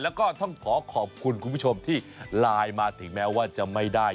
แล้วก็ต้องขอขอบคุณคุณผู้ชมที่ไลน์มาถึงแม้ว่าจะไม่ได้